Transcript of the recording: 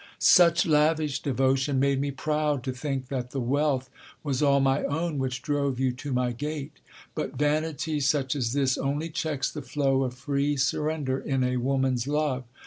Such lavish devotion made me proud to think that the wealth was all my own which drove you to my gate. But vanity such as this only checks the flow of free surrender in a woman's love.